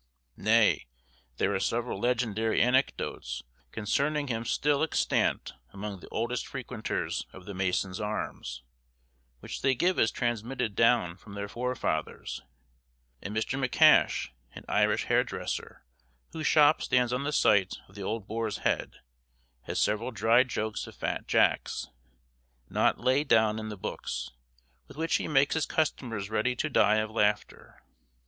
Nay, there are several legendary anecdotes concerning him still extant among the oldest frequenters of the Mason's Arms, which they give as transmitted down from their forefathers; and Mr. M'Kash, an Irish hair dresser, whose shop stands on the site of the old Boar's Head, has several dry jokes of Fat Jack's, not laid down in the books, with which he makes his customers ready to die of laughter.